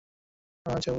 হাতে কত সময় আছে, উড?